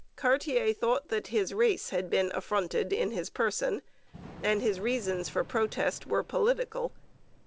Cartier thought that his race had been affronted in his person, and his reasons for protest were political.